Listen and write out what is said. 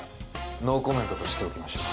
ノーコメントとしておきましょう。